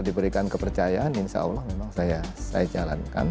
diberikan kepercayaan insya allah memang saya jalankan